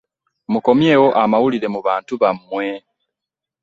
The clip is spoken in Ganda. Mukomyewo amawulire mu bantu bammwe.